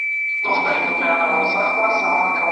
او د پردیو په پسرلي کي مي